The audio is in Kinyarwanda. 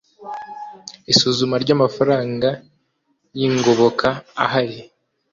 isuzuma ry amafaranga y ingoboka ahari